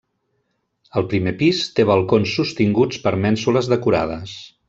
El primer pis té balcons sostinguts per mènsules decorades.